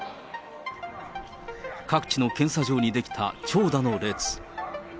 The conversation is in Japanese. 各地の検査場に出来た長蛇の列。